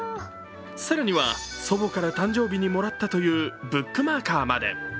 更には、祖母から誕生日にもらったという、ブックマーカーまで。